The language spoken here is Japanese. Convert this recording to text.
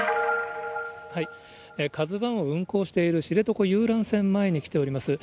カズワンを運航している知床遊覧船前に来ております。